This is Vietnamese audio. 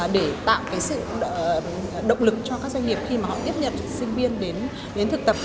để tạo sự động lực cho các doanh nghiệp khi họ tiếp nhận sinh viên đến thực tập